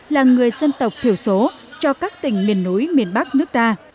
là người dân tộc thiểu số cho các tỉnh miền núi miền bắc nước ta